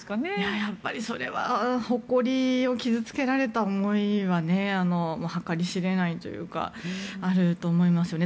やっぱりそれは誇りを傷付けられた思いは計り知れないというかあると思いますよね。